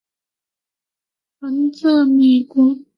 曾至美国哥伦比亚大学取得法学硕士学位。